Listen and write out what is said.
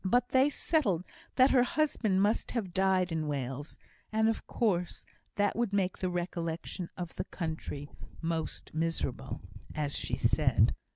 But they settled that her husband must have died in Wales, and, of course, that would make the recollection of the country "most miserable," as she said.